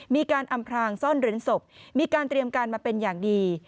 มีการอำพลางซ่อนเร้นศพมีการเตรียมการมาเป็นอย่างดี